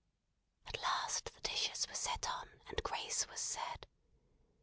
At last the dishes were set on, and grace was said.